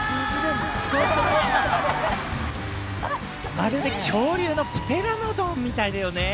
まるで恐竜のプテラノドンみたいだよね。